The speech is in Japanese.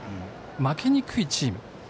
負けにくいチーム。